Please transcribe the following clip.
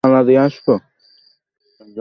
সিরিজটি নেটফ্লিক্সে বিশ্বব্যাপী উপলব্ধ।